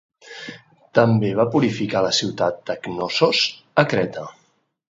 També va purificar la ciutat de Cnossos a Creta.